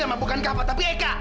sama bukan kapal tapi eka